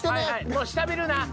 もう下見るな。